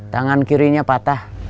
tangan kirinya patah